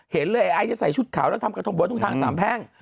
เห็นเลยไอจะใส่ชุดขาวแล้วทำกระทงบนตรงทางสามแพ่ง